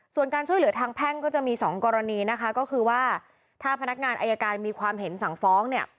ส่วนการช่วยเหลือทางแพ่งก็จะมีสองกรณีนะคะก็คือว่าถ้าพนักงานอายการมีความเห็นสั่งฟ้องเนี่ย